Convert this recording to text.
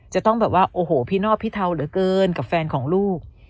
จะต้องแบบว่าโอ้โหพี่นอบพี่เทาเหลือเกินกับแฟนของลูก